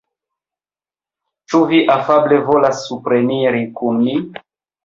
Ĉu vi afable volas supreniri kun mi?